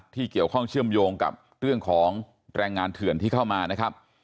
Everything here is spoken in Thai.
ที่เกี่ยวข้องเชื่อมโยงกับเรื่องของแรงงานเถื่อนที่เข้ามานะครับ